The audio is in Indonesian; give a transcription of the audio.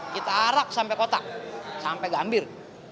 kita arak sampai kota sampai gambir